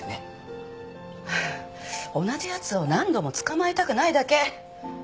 同じ奴を何度も捕まえたくないだけ。